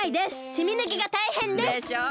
しみぬきがたいへんです！でしょう？